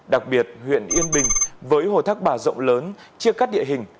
đặc biệt huyện yên bình với hồ thác bà rộng lớn chia cắt địa hình